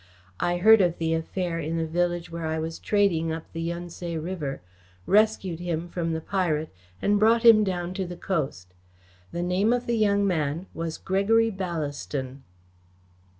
I heard of the affair in a village where I was trading up the Yun Tse River, rescued him from the pirate and brought him down to the coast. The name of the young man was Gregory Ballaston."